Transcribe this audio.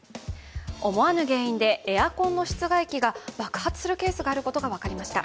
思わぬ原因でエアコンの室外機が爆発するケースがあることが分かりました。